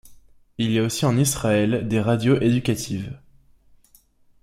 Il y a aussi en Israël, des radios éducatives.